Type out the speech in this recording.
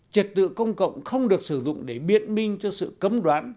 trật tự công cộng không được sử dụng để biện minh cho sự cấm đoán